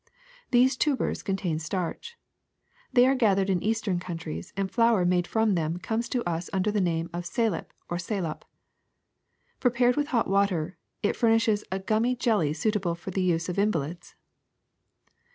These tubers contain starch. They are gathered in eastern countries, and flour made from them comes to us under the name of salep or salop. Pre pared with hot water, it fur nishes a gummy jelly suitable for the use of invalids.